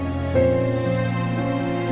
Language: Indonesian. saya sudah selesai